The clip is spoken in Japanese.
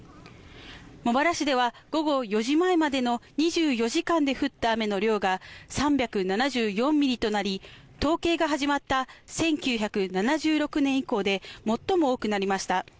茂原市では午後４時前までの２４時間で降った雨の量が３７４ミリとなり、統計が始まった１９７６年以降で最も多くなりました。